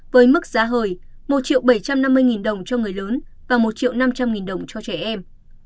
với mức giá hời một bảy trăm năm mươi đồng cho người lớn và một năm trăm linh đồng cho trẻ em